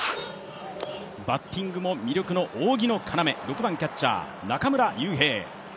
バッティングも魅力の扇の要、６番キャッチャー・中村悠平。